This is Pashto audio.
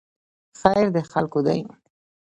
خیر د خلکو دی